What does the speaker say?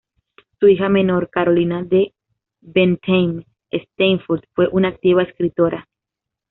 Su hija menor, Carolina de Bentheim-Steinfurt fue una activa escritora.